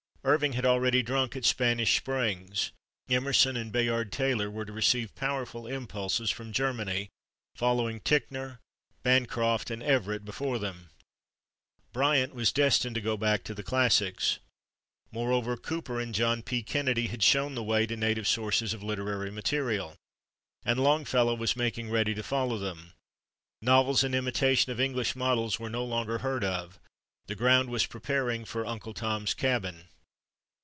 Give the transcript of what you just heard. Irving had already drunk at Spanish springs; Emerson and Bayard Taylor were to receive powerful impulses from Germany, following Ticknor, Bancroft and Everett before them; Bryant was destined to go back to the classics. Moreover, Cooper and John P. Kennedy had shown the way to native sources of literary material, and Longfellow was making ready to follow them; novels in imitation of English models were no longer heard of; the ground was preparing for "Uncle Tom's Cabin."